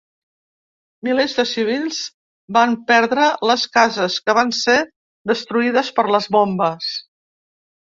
Milers de civils van perdre les cases, que van ser destruïdes per les bombes.